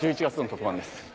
１１月の特番です。